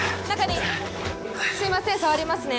すいません触りますね。